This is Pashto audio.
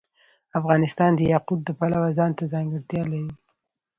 افغانستان د یاقوت د پلوه ځانته ځانګړتیا لري.